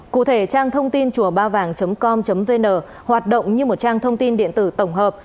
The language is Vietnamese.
cụ thể trang thông tin chùabavang com vn hoạt động như một trang thông tin điện tử tổng hợp